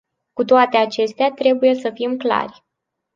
Cu toate acestea, trebuie să fim clari.